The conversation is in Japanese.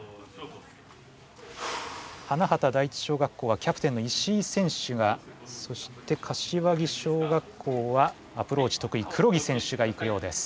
花畑第一小学校はキャプテンの石井選手がそして柏木小学校はアプローチとくい黒木選手がいくようです。